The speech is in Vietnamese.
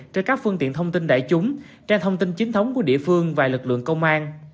trên các phương tiện thông tin đại chúng trang thông tin chính thống của địa phương và lực lượng công an